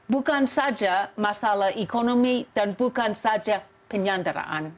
bukan saja masalah ekonomi dan bukan saja penyanderaan